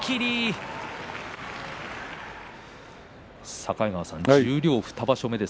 境川さん狼雅、十両２場所目です。